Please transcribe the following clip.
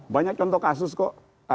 banyak contoh kasus kok